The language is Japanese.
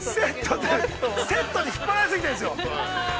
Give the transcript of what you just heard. ◆セットに引っ張られすぎているんですよ。